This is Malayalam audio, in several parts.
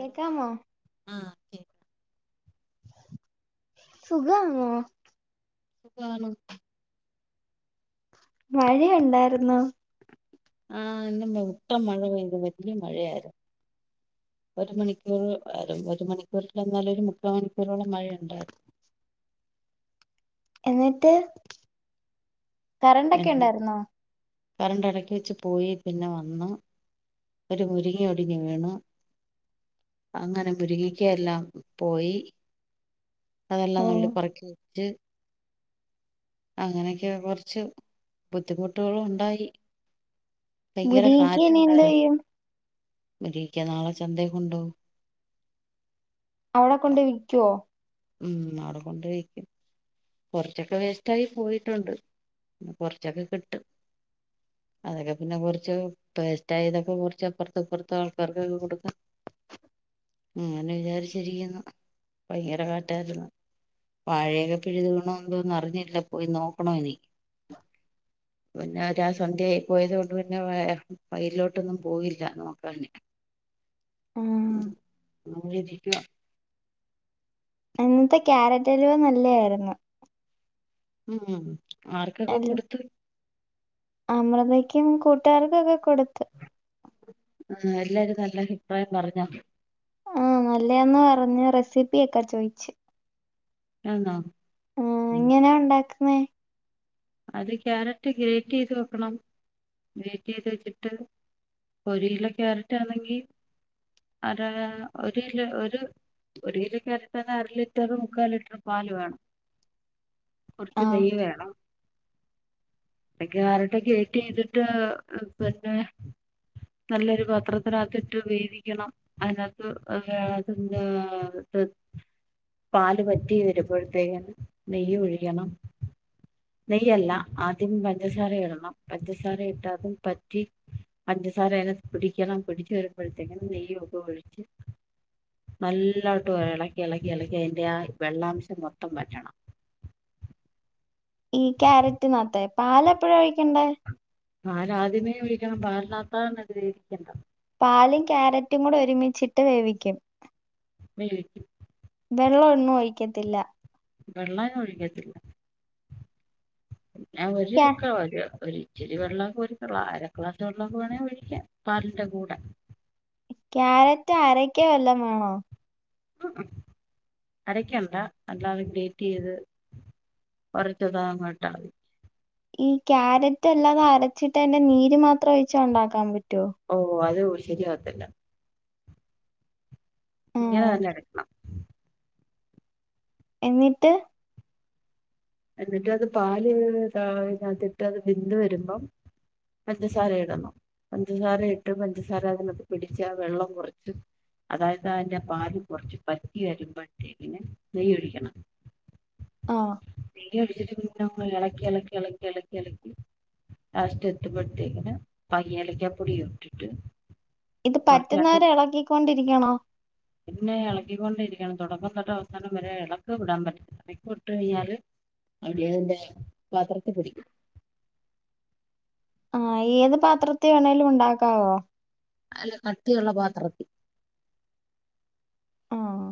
ഹലോ ആഹ് കേക്ക സുഖണോ സുഖാണ് മഴയുണ്ടായിരുന്നോ ആ ഇന്ന് മുട്ടം മഴ പെയ്തു വലിയ മഴയായിരുന്നു ഒരു മണിക്കൂർ ആ ഒരു മണിക്കൂറൽന്നാല ഒരു മുക്കാ മണിക്കൂറോളം മഴയുണ്ടായിരുന്നു എന്നിട്ട് കറണ്ടൊക്കെ എന്ന് ഉണ്ടായിരുന്നോ കറണ്ട് ഇടക്കി വെച്ച് പോയി പിന്നെ വന്ന് ഒരു മുരിങ്ങ ഒടിഞ്ഞിവീണു അങ്ങനെ മുരിങ്ങിക്ക എല്ലാം പോയി ഓ അതെല്ലാം നുള്ളി പറക്കി വിറ്റ് അങ്ങനെയൊക്കെ കുറച്ച് ബുദ്ധിമുട്ടുകളുണ്ടായി മുരിങ്ങിക്ക ഇനി എന്തെയും മുരിങ്ങക്ക നാളെ ചന്തേകൊണ്ടോവും അവടെ കൊണ്ട് വിക്കൊ ഉം അവിടെ കൊണ്ട് വിക്കും കുറച്ചൊക്കെ വേസ്റ്റയി പോയിട്ടുണ്ട് കൊറച്ചൊക്കെ കിട്ടും അതൊക്കെ പിന്നെ കുറച്ച് വേസ്റ്റ് ആയതൊക്കെ കുറച്ച്പ്പോറത്ത്പ്പുറത്ത് ആൾക്കാർക്കെക്കേ കൊടുക്കാ അങ്ങനെ വിചാരിച്ചിരിക്കുന്നു ഭയങ്കര കാറ്റായിരുന്നു വാഴയൊക്കെ എപ്പോഴുവേണോന്നും അറിഞ്ഞില്ല പോയി നോക്കണോനി പിന്ന ഒരാ സന്ധ്യയായി പോയത് കൊണ്ട് പിന്നെ വ വയലിലോട്ടൊന്നും പോയില്ല നോക്കാന് മ്മ് വിധിക്കും ഇന്നത്തെ ക്യാരറ്റ് അലുവ നല്ലയിരുന്നു ഉം ഉം ആർക്കൊക്കെ അൽ കൊടുത്ത് അമൃതക്കും കൊ ർകൊ കൊടുത്ത് ആ എല്ലാരും നല്ല അഭിപ്രായം പറഞ്ഞോ ആ നല്ലയാന്ന് പറഞ് റെസിപ്പിയൊക്കാ ചോയിച്ചു ആണോ ആ എ ങ്ങനെ ഉണ്ടാക്ക നെ അത് ക്യാരറ്റ് ഗ്രേറ്റ് ചെയ്ത് വെക്കണം ഗ്രേറ്റ് ചെയ്ത് വെച്ചിട്ട് ഒരു കിലോ ക്യാരറ്റ്ണെങ്കിൽ അര ഒരു കിലോ ഒരു ഒരു കിലോ ക്യാരറ്റ് ആണ അര ലിറ്റർ മുക്കാൽ ലിറ്റർ പാല് വേണം ആ കുറച്ച് നെയ്യ് വേണം പിന്നെ ക്യാരറ്റ് ഗ്രേറ്റിയെത്തിട്ട് ചെയ്തിട്ട് പിന്നെ നല്ലൊരു പത്രത്തിനകത്തിട്ട് വേതിക്കണം അതിനകത്ത് ഏർ അത് പാല് പറ്റി വരുമ്പോഴത്തേക്കന് നെയ്യ് ഒഴിക്കണം നെയ്യല്ല ആദ്യം പഞ്ചസാര ഇടണം പഞ്ചസാര ഇട്ടതും പറ്റി പഞ്ചസാര അ പിടിക്കണം പിടിച്ച് വരുമ്പോഴത്തേക്കും നെയ്യ് ഒക്കെ ഒഴിച്ച് നല്ലോട്ട് ഇളക്കി ഇളക്കി ഇളക്കി അതിന്റെ ആ വെള്ളാംശം മൊത്തം പറ്റണം ഈ ക്യാരറ്റ് നത്തെ പാല് എപ്പഴ ഒഴിക്കേണ്ടെ പാല് ആദ്യമേ ഒഴിക്കണം പലിനാത്താ ഇത് ഇരിക്കണ്ടത് പാലും ക്യാരറ്റും കൂടെ ഒരുമിച്ചിട്ട് വേവിക്കും മ വെള്ളഒന്നും ഒഴിക്കത്തില്ല വെള്ളന് ഒഴിക്കത്തില്ല ഞാൻ ക്യാ- [unintelligible] ഇച്ചിരി വെള്ളമൊക്കെ [unintelligible] അര ക്ലാസ് വെള്ളമൊക്കെ വേണേ ഒഴിക്കാ പാലിന്റെ കൂടെ. ക്യാരറ്റ് അരക്ക വല്ല വേണോ? അരക്കണ്ട അല്ലാതെ ഗ്രേറ്റ് ചെയ്ത് കുറച്ചതങ്ങിട്ടാൽ മതി. ഈ ക്യാരറ്റ് അല്ലാതെ അരച്ചിട്ട് എന്റെ നീര് മാത്രം ഒഴിച്ചാ ഉണ്ടാക്കാൻ പ ഓ അത് ശരിയാകത്തില്ല. ഇങ്ങനെ ആഹ് തന്നെ എടുക്കണം എന്നിട്ട് എന്നിട്ട് അത് പാല് ഇതിനകത്തിട്ട് അത് വെന്ത് വരുമ്പം പഞ്ചസാര ഇടണം പഞ്ചസാര ഇട്ട് പഞ്ചസാര അതിനകത്ത് പിടിച്ച് ആ വെള്ളം കുറച്ച് അതായത് അതിന്റെ പാല് കുറച്ച് പറ്റി വരുമ്പോത്തേക്കനെ നെയ് ഒഴിക്കണം. ആ ഇലക്കി ഇലക്കി ഇലക്കി ഇളക്കി ഇലക്കി ലാസ് എത്ത പത്തേക്കന പങ്ങി ഇലക്കിയ പൊടി വിട്ടട്ട് ഇത് പറ്റുന്നവരെ ഇളക്കിക്കൊണ്ടിരിക്കണോ? പിന്നെ ഇളക്കിക്കൊണ്ടിരിക്കണം തുടക്കം തൊട്ടവസാനം വരെ ഇളക്ക് വിടാൻ പറ്റില്ല ഇളക്ക് വിട്ട് കഴിഞ്ഞാല് അവിടെയതിന്റെ പാത്രത്തി പിടിക്കും. ആ ഏത് പാത്രത്തി വേണേലും ഉണ്ടാക്കാവോ? അല്ല കട്ടിയുള്ള പാത്രത്തി ആഹ്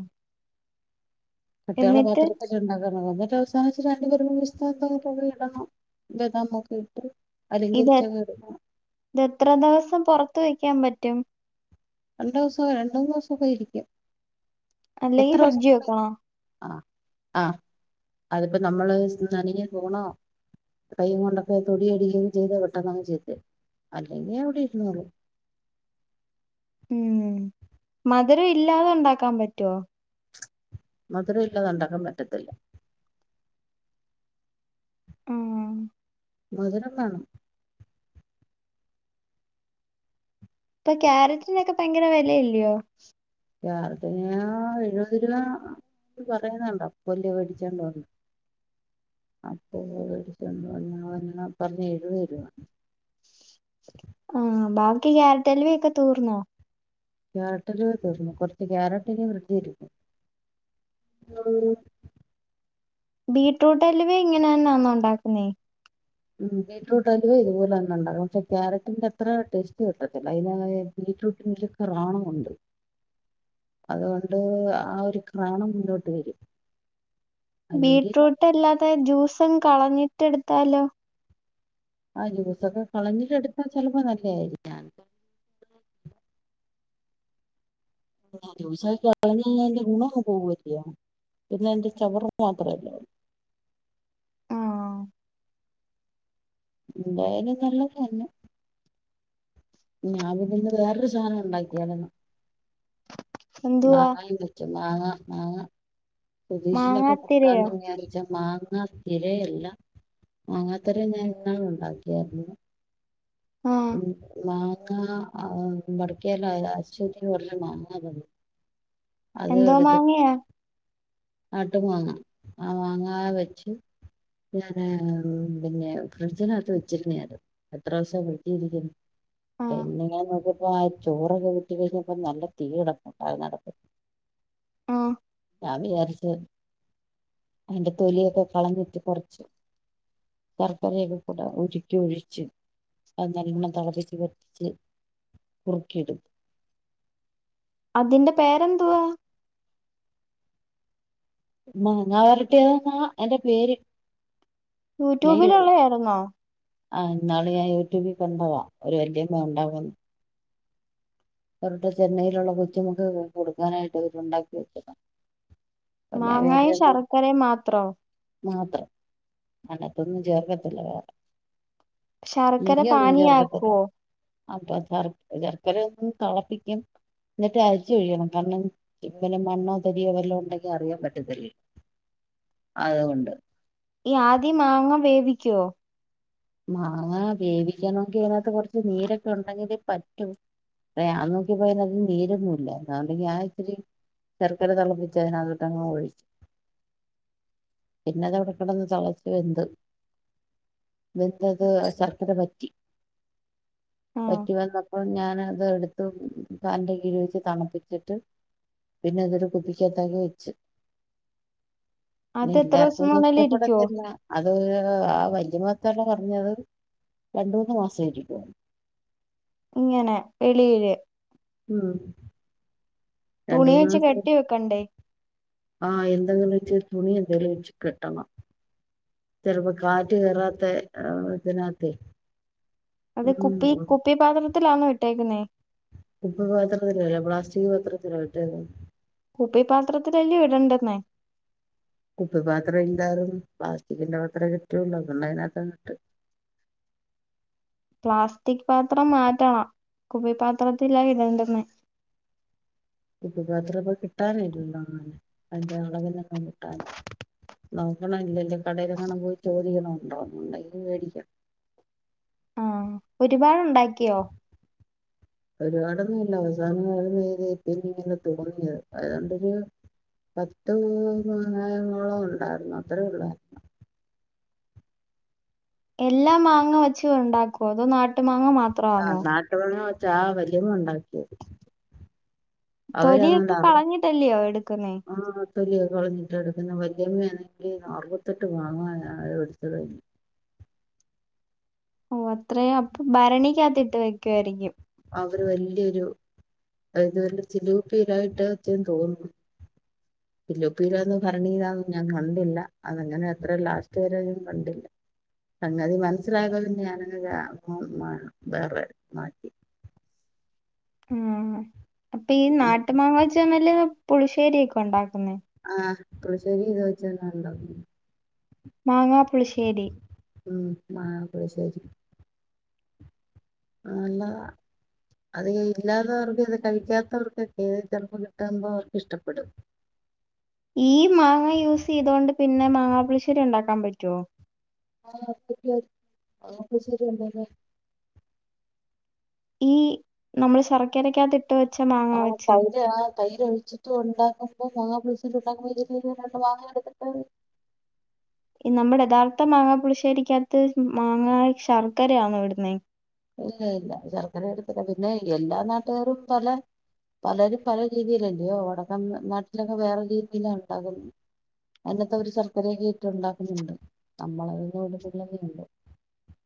കട്ടിയുള്ള എന്നിട്ട് പാത്രത്തിലുണ്ടാക്കാൻ [unintelligible] ടട്ട് അവസാനം ഇച്ചിരി അണ്ടിപരിപ്പും പിസ്താ ഓക്കെ [unintelligible] ഇടണം, ബെദാമൊക്കെ ഇട്ട് ഇത് അലങ്കരിച്ചൊക്കെ ഇടണം ഇത് എത്ര ദിവസം പുറത്ത വെ ക്കാൻ പറ്റും രണ്ട് ദിവസം രണ്ട് മൂന്ന് ദിവസൊക്കെയിരിക്കും. അല്ലെങ്കി ഫ്രിഡ്ജി വെക്കണോ? ആഹ് അതിപ്പോ നമ്മള് നനഞ്ഞ സ്പൂണോ കൈ കൊണ്ടൊക്കെ തൊടിയട ചെയ്താ പെട്ടെന്നങ്ങ് ചീത്തയാകും അല്ലെങ്കി അവിടെ ഇരുന്നോളും. ഉം മധുരം ഇല്ലാതെ ഉണ്ടാക്കാൻ പറ്റുവോ? മധുര ഇല്ലാതെ ഉണ്ടാക്കാൻ പറ്റത്തില്ല. ഉം മധുരം വേണം. ഇപ്പൊ ക്യാരറ്റിനൊക്കെ പയങ്കര വെലയല്ലിയോ? ക്യാരറ്റിന് എഴുപത് രൂപ പറയുന്നുണ്ട് അപ്പു അല്ലിയോ മേടിച്ചോണ്ട് വന്നേ അപ്പു മേടിച്ചോണ്ട് വന്ന് പറഞ്ഞ് പറഞ്ഞ് എഴുപത് രൂവാന്ന്. ആഹ് ബാക്കി ക്യാരറ്റലുവേക്കെ തീർന്നോ? ക്യാരറ്റലുവ തീർന്നു കുറച്ച് ക്യാരറ്റ് ഇനി ഫ്രിഡ്ജി ഇരിപ്പു ബീറ്റ്റൂട്ട് അലിവ ഇങ്ങനെന്നാന്നോ ഉണ്ടാക്കുന്നേ? ഉം ബീറ്റ്റൂട്ട് അലുവ ഇതുപോലെ തന്നെ ഉണ്ടാകുന്ന പക്ഷെ ക്യാരറ്റിന്റെ അത്ര ടേസ്റ്റ് കിട്ടത്തില്ല അയിന് ബീറ്റ്രൂട്ടിന്റെ ഒരു ക്രാണമുണ്ട് അതുകൊണ്ട് ആ ഒരു ക്രാണം മുന്നോട്ട് വരും. അല്ലെങ്കിൽ ബീട്ട്റൂട്ട് അല്ലാതെ ജ്യൂസും കളഞ്ഞി ട്ടെടുത്താലോ ആഹ് ജ്യൂസൊക്കെ കളഞ്ഞിട്ട് എടുത്താ ചിലപ്പോ നല്ലേ ആയിരിക്കാം [unintelligible] ജ്യൂസ്‌ [unintelligible] കളഞ്ഞു കഴിഞ്ഞാ അതിന്റെ ഗുണം അങ്ങ് പോകുവല്ലേ പിന്നെ അതിന്റെ ചവറ് മാത്രല്ലേ ഉള്ളു. ന്തായലും നല്ലത് തന്നെ. ഞാൻ പിന്നിന്ന് വേറൊരു സാധനം ഉണ്ടാക്കിയാരുന്നു. എന്തുവാ [unintelligible] മാങ്ങാ മാങ്ങാ. സുധീഷിനൊക്കെ മാങ്ങാത്തിരയോ കൊടുക്കാന്നും വിചാരിചാണ്. മാങ്ങ തിരയല്ല മാങ്ങാത്തര ഞാൻ ഇന്നാള് ഉണ്ടാക്കിയായിരുന്നു. ആഹ് ഉം മാ ങ്ങാ ആം വടക്കേലെ അ അശ്വതി കൊറച്ച് മാങ്ങ തന്നു. എന്തോ മാങ്ങയാ? നാട്ടു മാങ്ങാ ആഹ് മാങ്ങാ വെച്ച് ഞാൻ ആഹ് മ് പിന്നെ ഫ്രിഡ്ജിനകത്ത് വെച്ചിരുന്നേതു എത്ര ദിവസം വീട്ടിരിക്കുന്നു ആഹ് പിന്നെ ഞാൻ നോക്കിയപ്പോ ആഹ് ചോറൊക്കെ ഊറ്റി കഴിഞ്ഞപ്പോ നല്ല തീ കിടപ്പുണ്ടാരുന്നു അകത് ആഹ് ഞാൻ വിയാരിച്ചു. ത് അതിന്റെ തൊലിയൊക്കെ കളഞ്ഞിട്ട് കുറച്ച് ശർക്കര [unintelligible] ഉരുക്കി ഒഴിച്ച് അത് നല്ലവണ്ണം തിളപ്പച്ച് വറ്റിച്ച് കുറുക്കിയെടുത്ത്. അതിന്റെ പേരെന്തുവാ? മാ ങ്ങാ വരട്ടിയതെങ്ങന്നാ അതിന്റെ വേര് യൂട്യൂബിലുള്ളതാരുന്നോ? ആഹ് ഇന്നാളി ഞാൻ യൂട്യൂബിൽ കണ്ടതാ ഒരു വല്യമ്മ ഉണ്ടാക്കുന്ന അവരുടെ ചെന്നൈയിലുള്ള കൊച്ചുമക്കകൊക്കെ കൊടുക്കാനായിട്ട് അവരുണ്ടാക്കി വെച്ചതാ അപ്പൊ ഞാൻ മാങ്ങായും വിചാരിച്ചെന്നാ ശർക്കരെ മാത്രോ? അനാതൊന്നും ചേർക്കത്തില്ല വേറെ ശർക്കര പാനിയാക്കുവോ? അപ്പ തർക്ക് ശർക്കരയൊന്നും തെളപ്പിക്കും എന്നിട്ട് അരിച്ചു ഒഴികണം കാരണം പിന്നെ മണ്ണോ തരിയോ വല്ലോം ഉണ്ടെങ്കി അറിയാൻ പറ്റത്തില്ലല്ലോ അതുകൊണ്ട് ഈ ആദ്യം മാങ്ങ വേവിക്കുവോ? മാങ്ങാ വേവിക്കാനോക്കി അതിനാത്ത് കൊറച്ച് നീരൊക്കെ ഉണ്ടെങ്കിലേ പറ്റു പ്പേ ഞാൻ നോക്കിപ്പോയ അയ്‌നാത് നീരൊന്നൂല്ലാ ഞാൻ പിന്നെ ഞാൻ ഇത്തിരി ശർക്കര തിളപ്പിച്ച് അതിനാതൊട്ടങ്ങ് ഒഴിച്ചു പിന്നെതവിടെ കിടന്ന് തെളച്ചു വെന്തു വെന്തത് ശർക്കര പറ്റി ആഹ് പറ്റി വന്ന അപ്പൊ ഞാനത് എടുത്ത് ഫാനിൻ്റെ കീഴിവച്ച് തണുപ്പിച്ചട്ട് പിന്നെ അതൊരു കുപ്പികത്തക്കിവേച്ചു അത് എത്ര ദിവസം എല്ലാർക്കൊന്നും വേണേലും ഇരിക്കുവോ ഇഷ്ടപ്പെടത്തില്ല അത് ആഹ് വല്യ ഇന്ന് [unintelligible] പറഞ്ഞത് രണ്ടുമൂന്ന് മാസം ഇരിക്കുന്ന് ഇങ്ങനെ വെളിയില് ഉം തുണി വെച്ച് കെട്ടി വെക്കെണ്ടേ ആഹ് എന്തെങ്കിലും വെച്ച് തുണി എന്തേലും വെച്ചുകെട്ടണം ചെലപ്പോ കാറ്റ് കേറാത്ത [unintelligible] തിനാത്തെ അത് കുപ്പി കുപ്പി പാത്രത്തിലാണോ ഇട്ടു ട്ടേക്കുന്നെ കുപ്പിപ്പാത്രത്തിലല്ല പ്ലാസ്റ്റിക് പാത്രത്തിലാ ഇട്ടേക്കുന്നെ. കുപ്പി പാത്രത്തിലല്ലേ ഇടെണ്ടെന്നേ കുപ്പി പാത്രം ഇല്ലായിര്ന്നു പ്ലാസ്റ്റിക്കിന്റെ പാത്രേ കിട്ടിയൊള്ളൂ അതുകൊണ്ടു പിന്നെ അയ്നത്ത് അങ്ങട്ട് പ്ലാസ്റ്റിക് പാത്രം മാറ്റണം കുപ്പിപ്പാത്രത്തിലാ ഇടേണ്ടുന്നെ കുപ്പിപ്പാത്രം ഇപ്പൊ കിട്ടാൻ ഇല്ലല്ലോന്ന് [unintelligible] നോക്കണം ഇല്ലല് കടയിലേങ്ങാണും പോയി ചോദിക്കണം ഉണ്ടോന്ന് ഉണ്ടെങ്കി മേടിക്കാം ആ ഒരുപാടുണ്ടാക്കിയോ ഒരുപാടൊന്നുല്ല അവസാനം [unintelligible] പിന്നെ ഇങ്ങനെ തോന്നിയത് അതുകൊണ്ടൊരു പത്തുമാങ്ങയോളം ഉണ്ടായിര്ന്നു അത്രേ ഉള്ളായിര്ന്നു എല്ലാ മാങ്ങ വെച്ച് ഉണ്ടാക്കോ അതോ നാട്ട് മാങ്ങ മാത്രം ആന്നോ ച്ചാ വല്യമ്മ ഉണ്ടാക്കിയത് അവരങ്ങാണ്ട് തൊലിയൊക്കെ അറുപത് കളഞ്ഞിട്ടല്ലയോ എടുക്കുന്നേ ആഹ് തൊലിയൊക്കെ കളഞ്ഞിട്ടാ എടുക്കുന്നേ വല്യമ്മണെങ്കി അറുപത്തെട്ട് മാങ്ങായ എട്ത്തത് ഓ അത്രയും അപ്പൊ ഭരണിക്കാത്തിട്ട് വക്കുവായിരിക്കും അവര് വല്യരു [unintelligible] ചില്ലുക്കുപ്പിലാ ഇട്ടുവച്ചെന്ന് തോന്നുന്നു ചില്ലുക്കുപ്പിലാന്നോ ഭരണീലാന്നോ ഞാൻ കണ്ടില്ല അതങ്ങനെ അത്ര ലാസ്റ്റ് വരെയും കണ്ടില്ല സംഗതി മനസ്സിലാകാതെ പിന്നെ ഞാനങ്ങ് [unintelligible] വേറെ മാറ്റി ഉം ട്ടീൻ നാട്ടു മാങ്ങ വച്ച് തന്നെലേ പുളിശ്ശേരിയൊക്കെ ഉണ്ടാക്കുന്നേ ഇപ്പൊ ആ പുളിശ്ശേരി ഇതുവെച്ചന്ന ഉണ്ടാക്കുന്നേ മാങ്ങാ പുളിശ്ശേരി ഉം മാങ്ങ പുളിശ്ശേരി നല്ലതാ അത് ഇല്ലാതവർക്കും ഇത് കഴിക്കാത്തവർക്കൊക്കെ ഇതു ചിലപ്പോ കിട്ടുമ്പോ അവർക്ക് ഇഷ്ടപ്പെടും ഈ മാങ്ങ യൂസ് ചെയ്തോണ്ട് പിന്നെ മാങ്ങാപ്പുളിശ്ശേരി ഉണ്ടാക്കാൻ പറ്റുവോ ആ പറ്റുവായിരിക്കും മാങ്ങാപ്പുളിശ്ശേരി ഉണ്ടാക്കാൻ ഈ നമ്മള് ശർക്കരക്കകത്ത് ആ തൈര് ആ തൈര് ഒഴിച്ചിട്ടും ഉണ്ടാക്കും മാങ്ങാ പുളിശ്ശേരി ഉണ്ടാക്കുമ്പോ [unintelligible] രണ്ടുമാങ്ങാ എടുത്തട്ട് ഈ നമ്മുടെ യഥാർഥ മാങ്ങാ പുളിശേരിയകത്ത് മാങ്ങാ ശർക്കരയാന്നോ ഇടുന്നെ ഇല്ല ഇല്ല ശർക്കര ഇടത്തില്ല പിന്നെ എല്ലാ നാട്ടുകാരും പല പലരും പല രീതിയിലല്ലയോ [unintelligible] നാട്ടിലൊക്കെ വേറെ രീതിയിലാ ഉണ്ടാക്കുന്നേ അതിനകത്ത് അവര് ശർക്കരയൊക്കെയിട്ട് ഉണ്ടാക്കുന്നുണ്ട് നമ്മളുപിന്നെ ഇടുന്നിലെന്നേ ഉള്ളു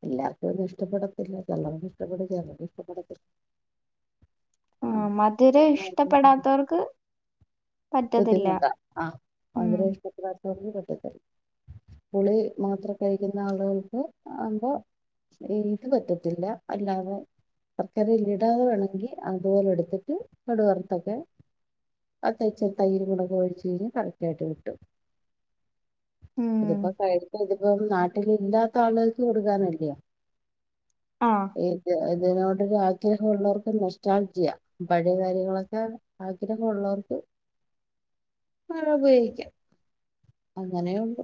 എല്ലാർക്കും ഒന്നും ഇഷ്ടപ്പെടത്തില്ല ചിലർക്ക് ഇഷ്ടപ്പെടും ചിലർക്ക് ഇഷ്ടപ്പെടത്തില്ല ആ മധുരം എല്ലാവർക്കും ഇഷ്ടപ്പെടാത്തവർക്ക്- പറ്റത്തില്ല. ബുദ്ധിമുട്ടാ ആ ഉം അവരെ ഇഷ്ടപ്പെ- പറ്റത്തില്ല പുളി മാത്രം കഴിക്കുന്ന ആളുകൾക്ക് ആവുമ്പോ ഇത് പറ്റത്തില്ല അല്ലാതെ ശർക്കരല്ല ഇടാതെ വേണമെങ്കിൽ അതുപോലെ എടുത്തിട്ട് കടവറുത്തൊക്കെ അത്തച്ച തൈര് മുളക് ഒഴിച്ച് കഴിഞ്ഞഞ് കറക്റ്റ് ആയിട്ട് കിട്ടും ഇതിപ്പോ ഉം ക- ഇപ്പം നാട്ടില ഇല്ലാത്ത ആളുകൾക്ക് കൊടുക്കാനല്ലയോ- ആഹ് ഏകാ ൽ തിനോടൊരു ആഗ്രഹള്ളോർക്കൊരു നൊഷ്ട്ടാൾ ജിയാ പഴയ കാര്യങ്ങളൊക്കെ ആഗ്രഹ ഉള്ളോൽക്ക് അള ഉപയോഗിക്കാം അങ്ങനെയുണ്ട്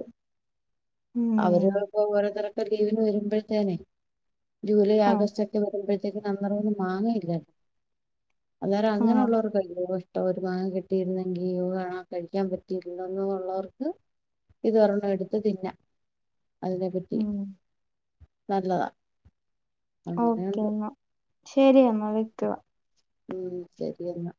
അവര് ഉം [unintelligible] ഓരോ തര ഇപ്പൊ ലീവിന് വരുമ്പഴത്തേനെ ജൂലൈ ആഹ് ആഗസ്റ്റ് ഒക്കെ വരുമ്പഴത്തേക്ക് [unintelligible] ന്നും മാങ്ങയില്ലേ അന്നേരം ആഹ് അങ്ങനെയുള്ളവർ [unintelligible] ഇഷ്ടം മാങ്ങ കിട്ടിയിരുന്നെങ്കി കഴിക്കാൻ പറ്റിയിര്ന്നോള്ളവർക്ക് ഇത് ഒരെണ്ണം എടുത്ത് തിന്ന അതിനെ പറ്റി ഉം നല്ലതാ ഓക്കെ അങ്ങനെയുണ്ട് എന്നാ ശരിയമ്മ വിക്കവാ ഉം ശരിയെന്നാ